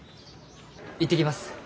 行ってきます。